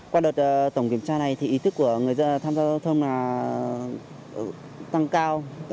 qua đợt tổng kiểm tra này ý thức của người tham gia giao thông tăng cao